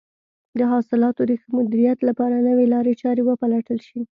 د حاصلاتو د ښه مدیریت لپاره نوې لارې چارې وپلټل شي.